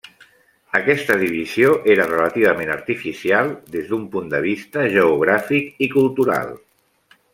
Aquesta divisió era relativament artificial des d'un punt de vista geogràfic i cultural.